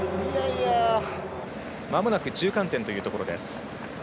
まもなく中間点というところです。